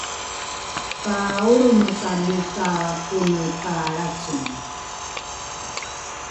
ka olremekali ka kone talracenge